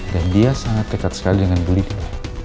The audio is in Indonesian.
dan dia sangat dekat sekali dengan bu lydia